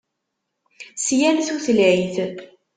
S yal tutlayt.